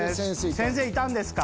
「先生いたんですか？」。